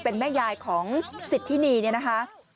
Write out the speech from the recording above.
เป็นแม่ยายของสิทธินีเนี่ยนะคะ